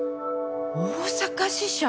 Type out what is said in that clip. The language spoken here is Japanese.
大阪支社？